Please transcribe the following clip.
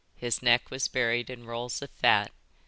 His neck was buried in rolls of fat.